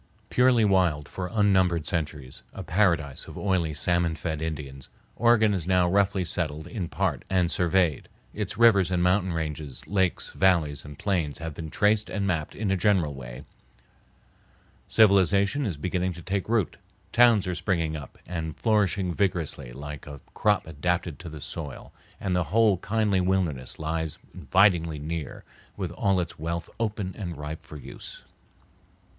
Purely wild for unnumbered centuries, a paradise of oily, salmon fed Indians, Oregon is now roughly settled in part and surveyed, its rivers and mountain ranges, lakes, valleys, and plains have been traced and mapped in a general way, civilization is beginning to take root, towns are springing up and flourishing vigorously like a crop adapted to the soil, and the whole kindly wilderness lies invitingly near with all its wealth open and ripe for use.